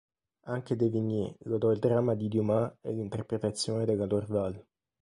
Anche De Vigny lodò il dramma di Dumas e l'interpretazione della Dorval.